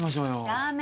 ダメ